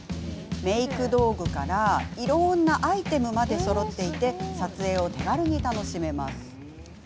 メーク道具から、いろんなアイテムまでそろっていて撮影を手軽に楽しめます。